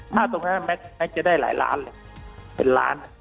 ถ้าตรงนั้นแม็กซจะได้หลายล้านเลยเป็นล้าน